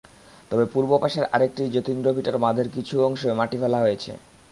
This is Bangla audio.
তবে পূর্ব পাশের আরেকটি জতীন্দ্রভিটার বাঁধের কিছু অংশে মাটি ফেলা হয়েছে।